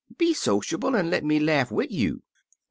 Be sociable an' Ic' me laugh wid you.'